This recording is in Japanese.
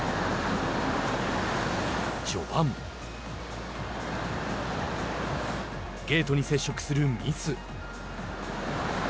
序盤ゲートに接触するミス。